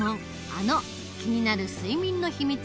あの気になる睡眠のひみつ